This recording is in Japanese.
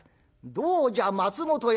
「どうじゃ松本屋。